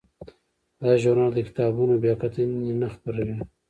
دا ژورنال د کتابونو بیاکتنې نه خپروي.